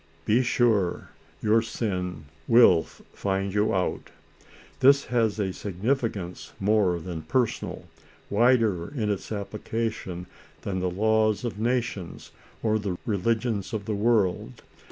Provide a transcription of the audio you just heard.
" Be sure your sin will find you out ;" this has a significance, more than personal, wider in its application than the laws of nations, or the religions of the world.